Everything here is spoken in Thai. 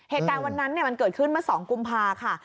เหตุการณ์วันนั้นมันเกิดขึ้นเมื่อ๒กุมภาค่ะ